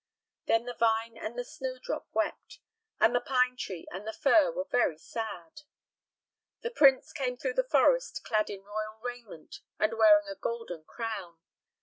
Then the vine and the snowdrop wept, and the pine tree and the fir were very sad. The prince came through the forest clad in royal raiment and wearing a golden crown.